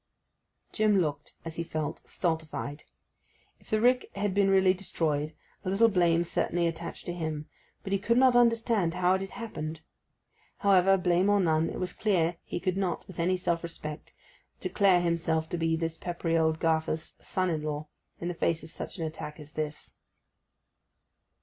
Jim looked, as he felt, stultified. If the rick had been really destroyed, a little blame certainly attached to him, but he could not understand how it had happened. However, blame or none, it was clear he could not, with any self respect, declare himself to be this peppery old gaffer's son in law in the face of such an attack as this.